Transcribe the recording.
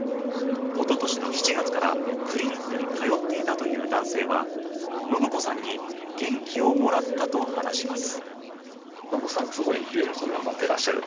おととしの７月からクリニックに通っていたという男性は伸子さんに元気をもらったと話します。